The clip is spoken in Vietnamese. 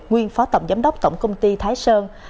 nguyên phó tổng giám đốc tổng công ty thái sơn